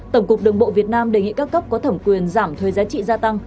tổng cục đồng bộ việt nam đề nghị các cấp có thẩm quyền giảm thuế giá trị gia tăng